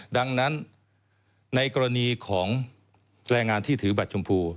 ดังนั้นในกรณีของแรงงานที่ถือบัตรชมพู